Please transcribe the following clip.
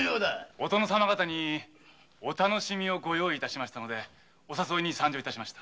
お殿様方にお楽しみをご用意したのでお誘いに参上しました。